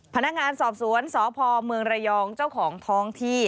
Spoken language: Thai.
พนักงานสอบสวนสพเมืองระยองเจ้าของท้องที่